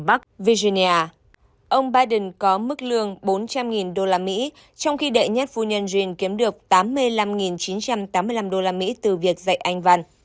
ông virya ông biden có mức lương bốn trăm linh usd trong khi đệ nhất phu nhân jean kiếm được tám mươi năm chín trăm tám mươi năm usd từ việc dạy anh văn